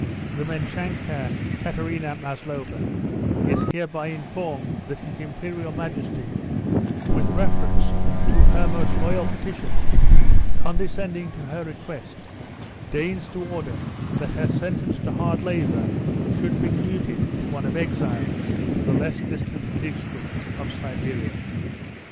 The meschanka Katerina Maslova is hereby informed that his Imperial Majesty, with reference to her most loyal petition, condescending to her request, deigns to order that her sentence to hard labour should be commuted to one of exile to the less distant districts of Siberia."